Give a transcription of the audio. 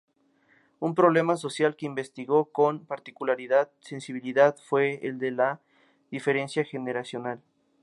Un problema social que investigó con particular sensibilidad fue el de la diferencia generacional.